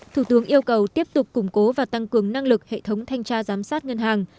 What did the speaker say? thủ tướng yêu cầu tiếp tục củng cố và tăng cường năng lực hệ thống thanh tra giám sát ngân hàng